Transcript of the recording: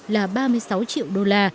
là ba mươi sáu triệu đô la